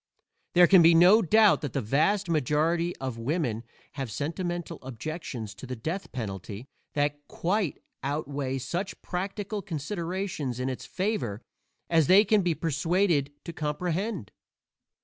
There can be no doubt that the vast majority of women have sentimental objections to the death penalty that quite outweigh such practical considerations in its favor as they can be persuaded to comprehend.